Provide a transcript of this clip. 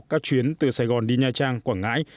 các chuyến từ sài gòn đi nha trang quảng ngãi